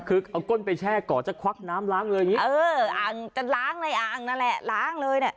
คือเอาก้นไปแช่ก่อจะควักน้ำล้างเลยเออจะล้างในอ่างนั่นแหละล้างเลย